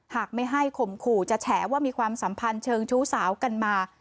หากไม่ให้ข่มขู่จะแฉว่ามีความสัมพันธ์เชิงชู้สาวกันมา